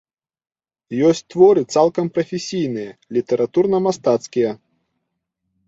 Ёсць творы цалкам прафесійныя, літаратурна-мастацкія.